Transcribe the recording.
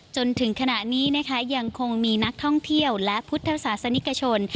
จนถึงขณะนี้นะคะยังคงมีนักท่องเที่ยวและพุทธศาสนิกชน